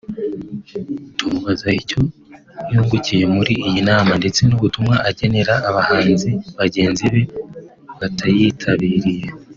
tumubaza icyo yungukiye muri iyi nama ndetse n’ubutumwa agenera abahanzi bagenzi be batayitabiriye